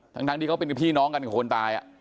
ทั้งที่เขาเป็นพี่น้องกันกับคนตาย